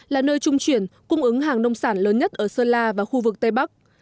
là nơi trung chuyển cung ứng hàng nông sản lớn nhất ở sơn la và khu vực tây bắc